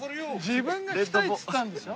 自分が来たいっつったんでしょ？